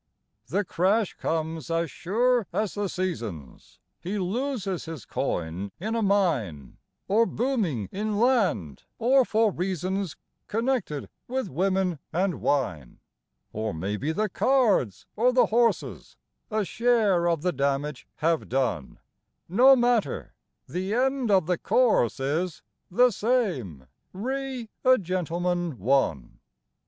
The crash comes as sure as the seasons; He loses his coin in a mine, Or booming in land, or for reasons Connected with women and wine. Or maybe the cards or the horses A share of the damage have done No matter; the end of the course is The same: "Re a Gentleman, One".